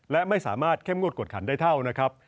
และไม่สามารถเข้มงวดกวดขันได้เท่านะครับ